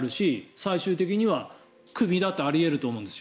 最終的にはクビだってあり得ると思うんですよ。